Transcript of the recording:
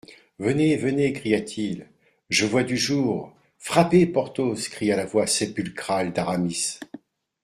Venez ! venez ! cria-t-il, je vois du jour ! Frappez, Porthos ! cria la voix sépulcrale d'Aramis.